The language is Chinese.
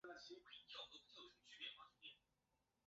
他是中共十七大代表。